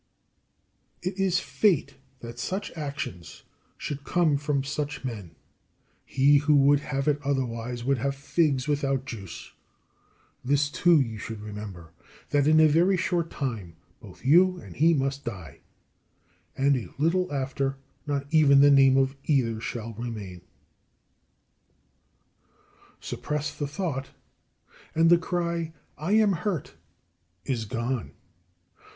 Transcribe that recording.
6. It is fate that such actions should come from such men. He who would have it otherwise would have figs without juice. This, too, you should remember: that in a very short time both you and he must die; and a little after not even the name of either shall remain. 7. Suppress the thought; and the cry "I am hurt!" is gone.